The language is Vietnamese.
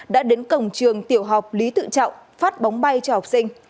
đã đến cổng trường tiểu học lý tự trọng phát bóng bay cho học sinh